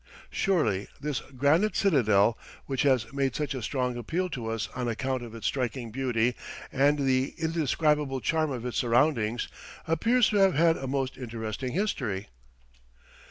Surely this granite citadel, which has made such a strong appeal to us on account of its striking beauty and the indescribable charm of its surroundings, appears to have had a most interesting history.